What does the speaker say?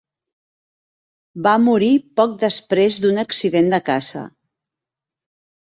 Va morir poc després d'un accident de caça.